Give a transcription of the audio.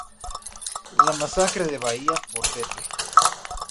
La masacre de Bahía Portete.